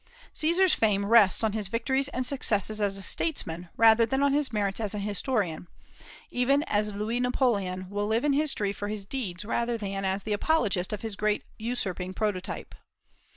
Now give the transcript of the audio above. Caesar's fame rests on his victories and successes as a statesman rather than on his merits as an historian, even as Louis Napoleon will live in history for his deeds rather than as the apologist of his great usurping prototype.